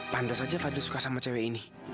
pantas aja fadil suka sama cewek ini